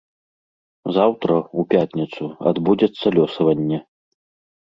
Заўтра, у пятніцу, адбудзецца лёсаванне.